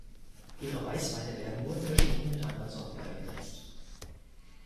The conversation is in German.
Ihre Weißweine werden nur in Verschnitten mit anderen Sorten eingesetzt.